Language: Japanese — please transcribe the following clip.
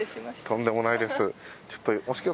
とんでもないです。